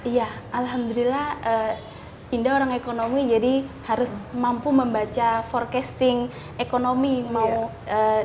iya alhamdulillah indah orang ekonomi jadi harus mampu membaca forecasting ekonomi mau di tahun depan